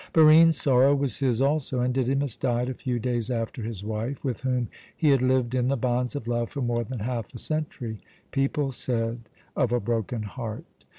Barine's sorrow was his also, and Didymus died a few days after his wife, with whom he had lived in the bonds of love for more than half a century people said, "of a broken heart."